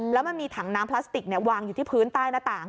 แล้วมันมีถังน้ำพลาสติกวางอยู่ที่พื้นใต้หน้าต่าง